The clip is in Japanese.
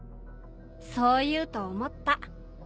そう言うと思った。